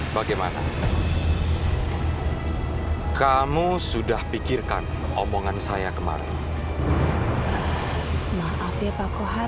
sampai jumpa di video selanjutnya